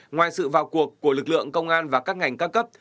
ngoài sự vào cuộc của lực lượng công an và các ngành ca cấp